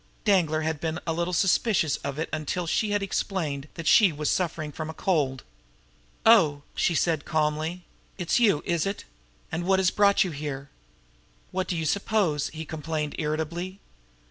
Danglar had been a little suspicious of it until she had explained that she was suffering from a cold. "Oh!" she said calmly. "It's you, is it? And what brought you here?" "What do you suppose?" he complained irritably.